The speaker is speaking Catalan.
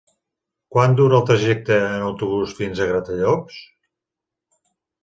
Quant dura el trajecte en autobús fins a Gratallops?